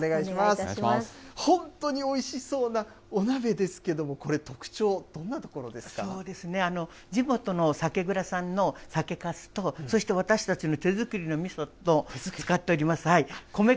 本当においしそうなお鍋ですけども、これ、特徴、どんなところでそうですね、地元の酒蔵さんの酒かすと、そして私たちの手作りのみそと、使っております。